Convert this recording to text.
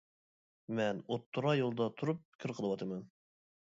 مەن ئوتتۇرا يولدا تۇرۇپ پىكىر قىلىۋاتىمەن.